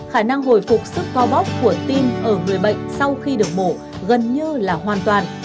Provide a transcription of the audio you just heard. khả năng hồi phục sức co bóc của tim ở người bệnh sau khi được mổ gần như là hoàn toàn